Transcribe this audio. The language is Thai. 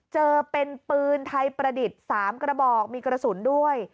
เจอเป็นปืนไทยประดิษฐ์๓กระบอกมีกระสุนด้วย